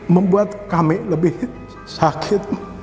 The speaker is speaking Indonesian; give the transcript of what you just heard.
membuat kami lebih sakit